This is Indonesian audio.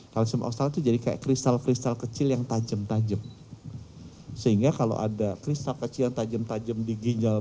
kalsium oksalat itu jadi kayak kristal kristal kecil yang tajam tajam sehingga kalau ada kristal